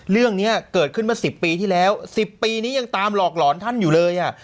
เรื่องนี้เกิดขึ้นมา๑๐ปีที่แล้ว๑๐ปีนี้ยังตามหลอกหลอนท่านอยู่เลยอ่ะ